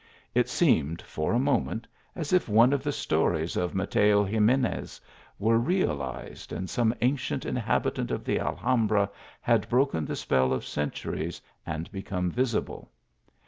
It seemed, for a moment, as if one of the stories of Mateo Xi menes were realized, and some ancient inhabitant of the Alhambra had broken the spell of centuries, and become visible.